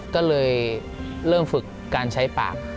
ก็เลยเริ่มฝึกการใช้ปาก